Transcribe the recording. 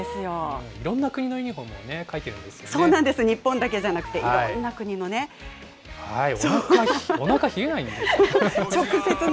いろんな国のユニホームを描いてそうなんです、日本だけじゃおなか冷えないんですかね。